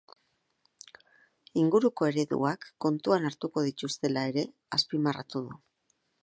Inguruko ereduak kontuan hartuko dituztela ere azpimarratu du.